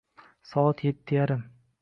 Soat yetti yarim.